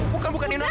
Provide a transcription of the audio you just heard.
bukan bukan winona